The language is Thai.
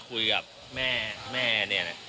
คุยกับแม่แม่เนี่ยนะ